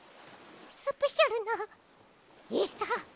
スペシャルのエサ？